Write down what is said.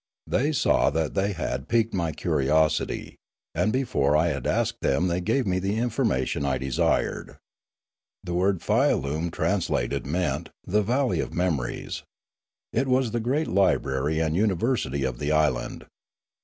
They saw that they had piqued my curiosity; and before I had asked them they I gave me the information I desired. The word, Fialume, translated, meant " the valley of memories. M It was the great library and university of the island.